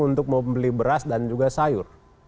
untuk membeli beras dan juga sayur